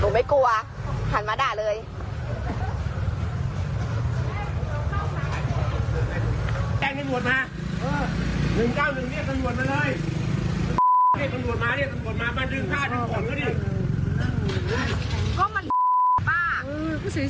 ไม่รู้ว่าจะเป็นเฮ้ยเปิดเกมก่อนแล้วใช่หรือเปล่าน่ะ